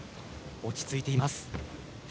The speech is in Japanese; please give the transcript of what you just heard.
落ち着いています。